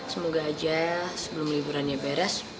semoga aja sebelum liburannya beres